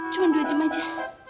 cuma dua jam aja